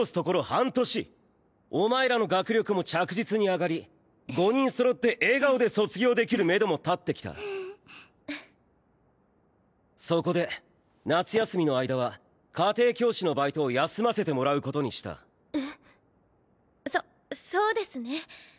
半年お前らの学力も着実に上がり５人揃って笑顔で卒業できるめども立ってきたそこで夏休みの間は家庭教師のバイトを休ませてもらうことにしたえっそそうですね